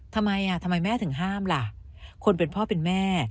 ทำไมอ่ะทำไมแม่ถึงห้ามล่ะคนเป็นพ่อเป็นแม่